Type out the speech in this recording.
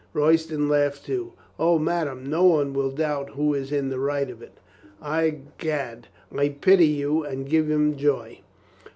Royston laughed too. "O, madame, no one will doubt who is in the right of it. I'gad, I pity you and give him joy.